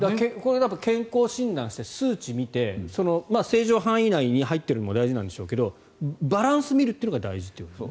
やっぱり健康診断して数値見て正常範囲内に入っているのも大事なんでしょうけどバランスを見るというのが大事ということですね。